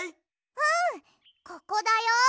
うんここだよ。